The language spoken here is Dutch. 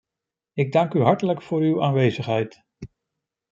Ik dank u hartelijk voor uw aanwezigheid.